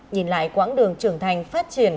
nhìn lại quãng đường trưởng thành phát triển